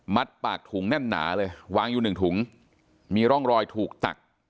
ปากถุงแน่นหนาเลยวางอยู่หนึ่งถุงมีร่องรอยถูกตัก